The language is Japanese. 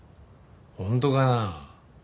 本当かな？